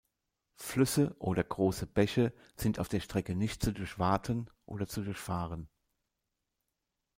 Flüsse oder große Bäche sind auf der Strecke nicht zu durchwaten oder zu durchfahren.